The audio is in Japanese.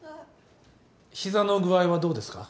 膝の具合はどうですか？